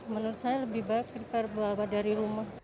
menurut saya lebih baik prepare dari rumah